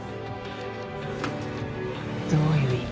どういう意味？